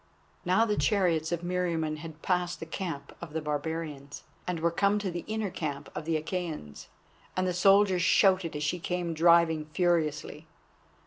Now the chariots of Meriamun had passed the camp of the barbarians, and were come to the inner camp of the Achæans, and the soldiers shouted as she came driving furiously.